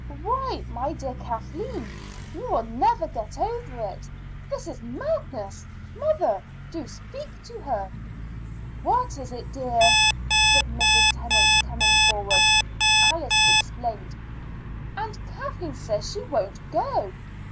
Why, my dear Kathleen, you will never get over it. This is madness. Mother, do speak to her." "What is it, dear?" said Mrs. Tennant, coming forward. Alice explained. "And Kathleen says she won't go?"